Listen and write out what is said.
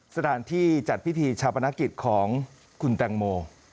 สถานที่จัดพิธีชาปนกิจของคุณแตงโม